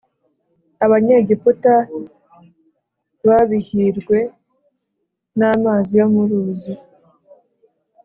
Abanyegiputa babihirwe n amazi yo mu ruzi